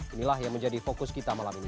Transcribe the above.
inilah yang menjadi fokus kita malam ini